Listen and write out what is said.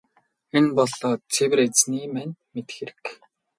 Энэ бол цэвэр Эзэний маань мэдэх хэрэг.